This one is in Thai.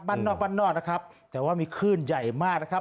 บ้านนอกบ้านนอกนะครับแต่ว่ามีคลื่นใหญ่มากนะครับ